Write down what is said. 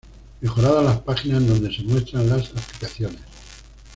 Mejoradas las páginas en donde se muestran las aplicaciones.